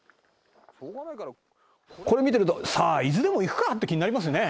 「これ見てるとさあ伊豆でも行くかっていう気になりますよね」